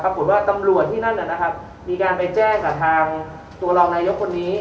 ปรากฏว่าตำรวจที่นั่นมีการไปแจ้งกับทางตัวรองนายกคนนี้